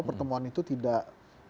pertemuan itu tidak disediakan